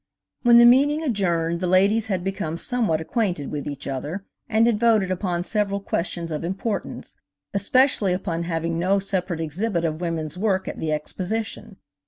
When the meeting adjourned, the ladies had become somewhat acquainted with each other and had voted upon several questions of importance, especially upon having no separate exhibit of women's work at the Exposition.